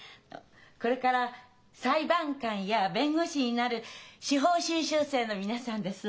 これから裁判官や弁護士になる司法修習生の皆さんです。